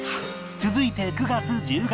続いて９月１０月